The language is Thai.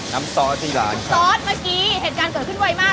ซอสที่ร้านซอสเมื่อกี้เหตุการณ์เกิดขึ้นไวมาก